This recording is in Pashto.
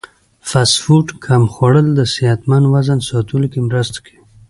فاسټ فوډ کم خوړل د صحتمند وزن ساتلو کې مرسته کوي.